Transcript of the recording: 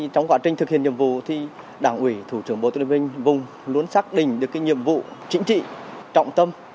trong quá trình thực hiện nhiệm vụ đảng ủy thủ trưởng bộ tư lệnh vùng luôn xác định được nhiệm vụ chính trị trọng tâm